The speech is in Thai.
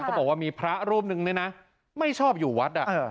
เขาบอกว่ามีพระรูปนึงเนี่ยนะไม่ชอบอยู่วัด